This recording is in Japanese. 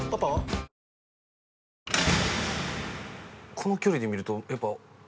この距離で見るとやっぱ。